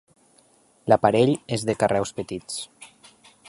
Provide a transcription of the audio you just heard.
L'aparell és de carreus petits.